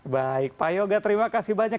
baik pak yoga terima kasih banyak